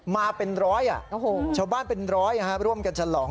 มาเป็นร้อยชาวบ้านเป็นร้อยร่วมกันฉลอง